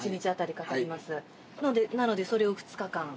なのでそれを２日間。